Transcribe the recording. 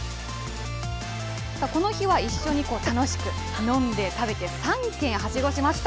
この日は一緒に楽しく頼んで食べて、３軒はしごしました。